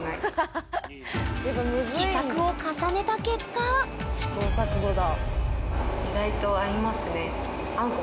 試作を重ねた結果試行錯誤だ。